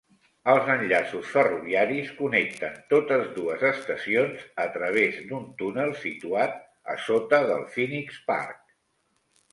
Els enllaços ferroviaris connecten totes dues estacions a través d'un túnel situat a sota del Phoenix Park.